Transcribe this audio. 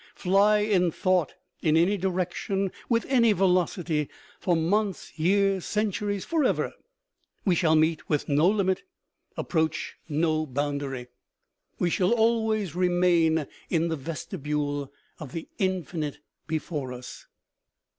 Fly in thought in any direction with any velocity for months, years, centuries, forever, we shall meet with no limit, approach no boundary, 284 OMEGA. we shall always remain in the vestibule of the infinite before us.